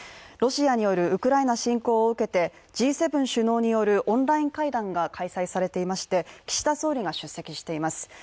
ロシアによるウクライナ侵攻を受けてＧ７首脳によるオンライン会談が開催されていまして岸田総理が出席しています。